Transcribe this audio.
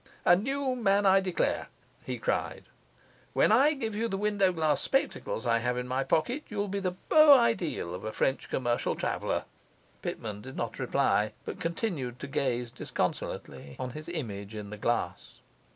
'A new man, I declare!' he cried. 'When I give you the windowglass spectacles I have in my pocket, you'll be the beau ideal of a French commercial traveller.' Pitman did not reply, but continued to gaze disconsolately on his image in the glass.